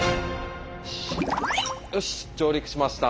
よし上陸しました。